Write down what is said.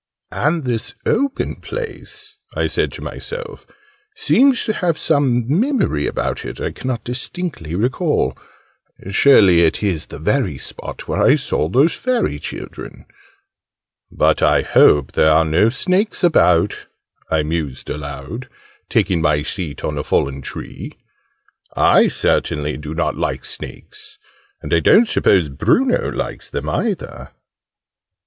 "And this open place," I said to myself, "seems to have some memory about it I cannot distinctly recall surely it is the very spot where I saw those Fairy Children! But I hope there are no snakes about!" I mused aloud, taking my seat on a fallen tree. "I certainly do not like snakes and I don't suppose Bruno likes them, either!"